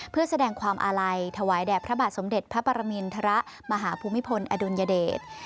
เพื่อแสดงความอาลัยถวายแด่พระบาทสมเด็จพระปรมินทรมาหาภูมิพลอดุลยเดช